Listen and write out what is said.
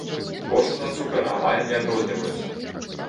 Кошты на цукар амаль не адрозніваюцца.